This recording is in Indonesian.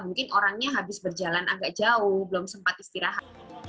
mungkin orangnya habis berjalan agak jauh belum sempat istirahat